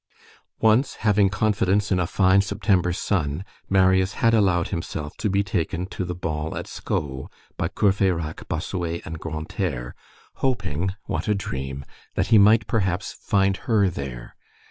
Once, having confidence in a fine September sun, Marius had allowed himself to be taken to the ball at Sceaux by Courfeyrac, Bossuet, and Grantaire, hoping, what a dream! that he might, perhaps, find her there.